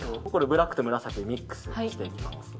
ブラックと紫をミックスしていきます。